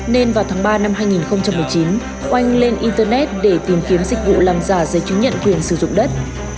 nên vào tháng ba năm hai nghìn một mươi chín oanh lên internet để tìm kiếm dịch vụ làm giả giấy chứng nhận quyền sử dụng đất